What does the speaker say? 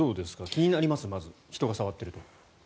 気になりますか人が触ってると。